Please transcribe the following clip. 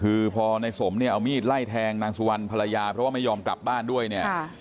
คือพอในสมเนี่ยเอามีดไล่แทงนางสุวรรณภรรยาเพราะว่าไม่ยอมกลับบ้านด้วยเนี่ย